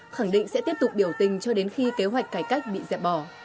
khẳng định sẽ tiếp tục biểu tình cho đến khi kế hoạch cải cách bị dẹp bỏ